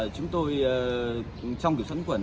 chúng tôi trong kiểm soát những khuẩn